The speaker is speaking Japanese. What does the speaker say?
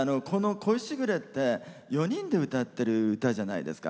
「恋時雨」って４人で歌ってる歌じゃないですか。